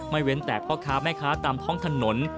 เว้นแต่พ่อค้าแม่ค้าตามท้องถนน